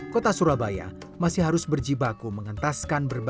kota surabaya masih harus berjiwaku mengentaskan bermiliki